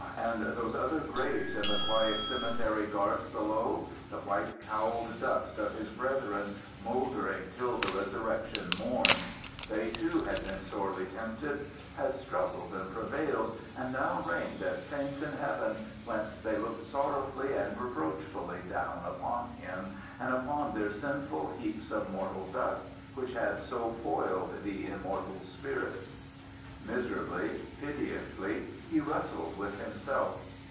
and those other graves in the quiet cemetery garth below the white cowled dust of his brethren, mouldering till the resurrection morn. They, too, had been sorely tempted had struggled and prevailed, and now reigned as saints in heaven, whence they looked sorrowfully and reproachfully down upon him, and upon their sinful heaps of mortal dust, which had so foiled the immortal spirit. Miserably, piteously, he wrestled with himself.